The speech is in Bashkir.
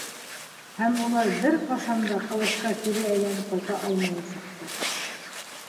Һәм улар бер ҡасан да Ҡылысҡа кире әйләнеп ҡайта алмаясаҡтар.